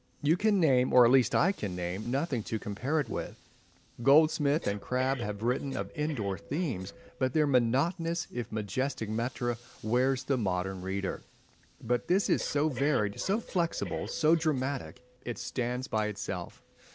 You can name—or at least I can name—nothing to compare it with. Goldsmith and Crabbe have written of indoor themes; but their monotonous, if majestic metre, wearies the modern reader. But this is so varied, so flexible, so dramatic. It stands by itself.